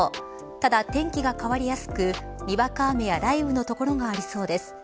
ただ、天気が変わりやすくにわか雨や雷雨の所がありそうです。